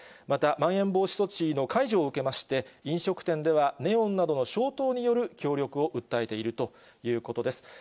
また、まん延防止措置の解除を受けまして、飲食店ではネオンなどの消灯による協力を訴えているということです。